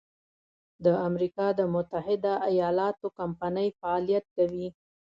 د امریکا د متحد ایلااتو کمپنۍ فعالیت کوي.